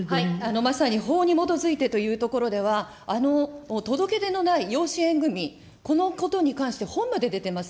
まさに、法に基づいてというところでは、届け出のない養子縁組み、このことに関して、本まで出てます。